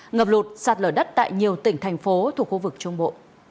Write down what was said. ngập lụt sạt lở đất tại nhiều tỉnh thành phố thuộc khu vực trung bộ